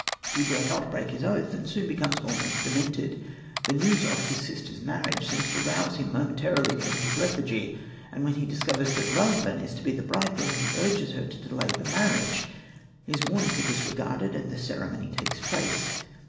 He dare not break his oath, and soon becomes almost demented. The news of his sister's marriage seems to rouse him momentarily from his lethargy, and when he discovers that Ruthven is to be the bridegroom he urges her to delay the marriage. His warnings are disregarded, and the ceremony takes place.